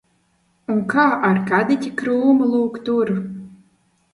Un kā ar kadiķa krūmu lūk tur?